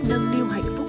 nâng điêu hạnh phúc